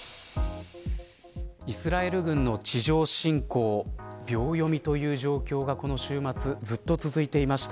イスラエル軍の地上侵攻秒読みという状況がこの週末ずっと続いていました。